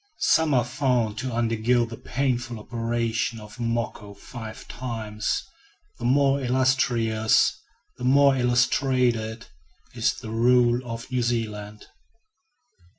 Some are found to undergo the painful operation of "moko" five times. The more illustrious, the more illustrated, is the rule of New Zealand.